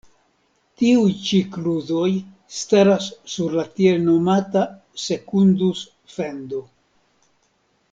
Tiuj ĉi kluzoj staras sur la tiel nomata Sekundus-Fendo.